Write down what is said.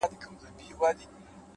د پخلنځي د لوګي نرمي فضا بدلوي,